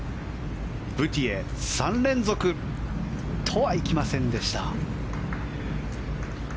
ブティエ、３連続とはいきませんでした。